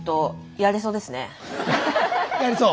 やれそう。